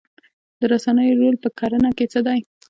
د رسنیو رول په کرنه کې څه دی؟